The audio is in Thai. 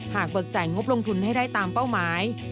เบิกจ่ายงบลงทุนให้ได้ตามเป้าหมาย